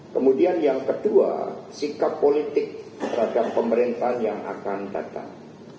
kemudian yang kedua sikap politik terhadap pemerintahan yang akan datang